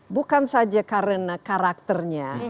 bukan saja karena karakternya